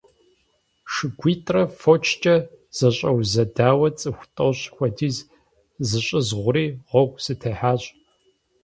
ШыгуитӀрэ фочкӀэ зэщӀэузэдауэ цӀыху тӀощӀ хуэдиз зыщӀызгъури гъуэгу сытехьащ.